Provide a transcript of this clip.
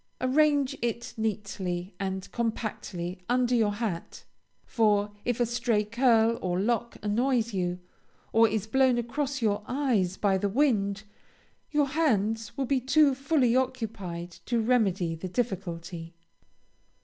Arrange it neatly and compactly under your hat, for if a stray curl or lock annoys you, or is blown across your eyes by the wind, your hands will be too fully occupied to remedy the difficulty.